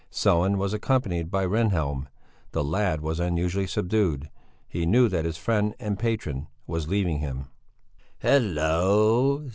Sellén was accompanied by Rehnhjelm; the lad was unusually subdued; he knew that his friend and patron was leaving him. "Hallo!